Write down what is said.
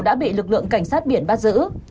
đã bị lực lượng cảnh sát biển bắt giữ